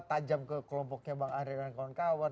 tajam ke kelompoknya bang andre dan kawan kawan